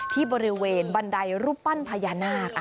ที่บริเวณบันไดรูปปั้นพญานาค